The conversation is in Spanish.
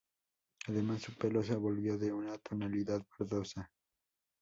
Además su pelo se volvió de una tonalidad verdosa.